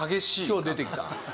今日出てきた。